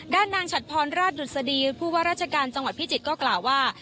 ด้านนางฉัดพรราชดุษฎีผู้ว่าราชการจังหวัดพิจิตรก็กล่าวว่า